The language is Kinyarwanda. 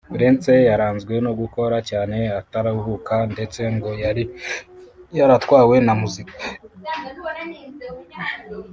Prince yaranzwe no gukora cyane ataruhuka ndetse ngo yari yaratwawe na muzika